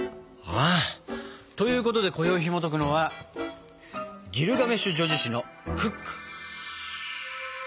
あっ！ということでこよいひもとくのは「ギルガメシュ叙事詩」のクック。